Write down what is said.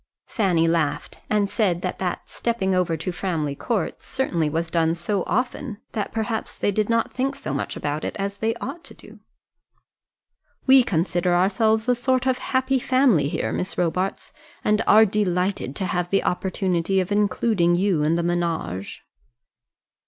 Fanny laughed and said that that stepping over to Framley Court certainly was done so often that perhaps they did not think so much about it as they ought to do. "We consider ourselves a sort of happy family here, Miss Robarts, and are delighted to have the opportunity of including you in the ménage."